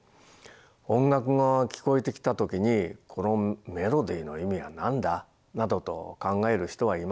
音楽が聞こえてきた時に「このメロディーの意味は何だ？」などと考える人はいません。